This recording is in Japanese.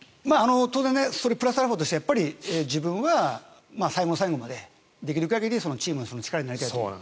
当然プラスアルファとして自分は最後の最後まで、できる限りチームの力になりたいという。